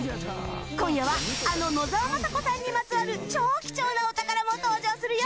今夜はあの野沢雅子さんにまつわる超貴重なお宝も登場するよ